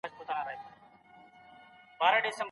دی ویده نه دی.